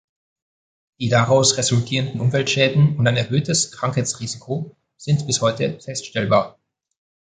Die daraus resultierenden Umweltschäden und ein erhöhtes Krankheitsrisiko sind bis heute feststellbar.